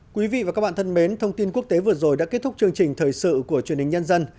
quý vị và các bạn thân mến thông tin quốc tế vừa rồi đã kết thúc chương trình thời sự của truyền hình nhân dân